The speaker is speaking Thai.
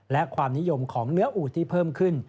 และความนิยมของเนื้ออูดที่เพิ่มขึ้น